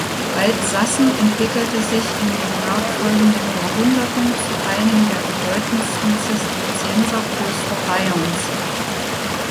Waldsassen entwickelte sich in den nachfolgenden Jahrhunderten zu einem der bedeutendsten Zisterzienserklöster Bayerns.